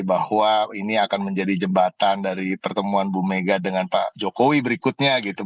bahwa ini akan menjadi jembatan dari pertemuan bu mega dengan pak jokowi berikutnya gitu